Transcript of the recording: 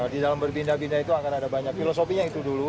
di dalam berpindah pindah itu akan ada banyak filosofinya itu dulu